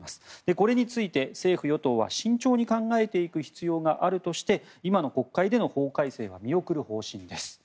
これについて、政府・与党は慎重に考えていく必要があるとして今の国会での法改正は見送る方針です。